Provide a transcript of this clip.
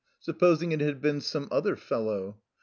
Supposing it had been some other fellow?